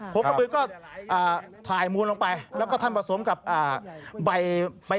โคกะบื้อก็ถ่ายมูนลงไปแล้วก็ท่านผสมกับใบไผ่